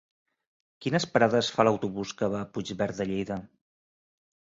Quines parades fa l'autobús que va a Puigverd de Lleida?